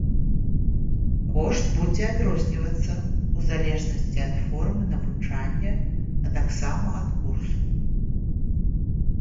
Кошт будзе адрознівацца ў залежнасці ад формы навучання, а таксама ад курсу.